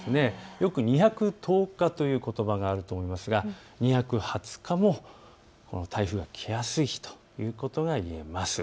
よく二百十日ということばがあると思いますが二百二十日も台風が来やすい日ということがいえます。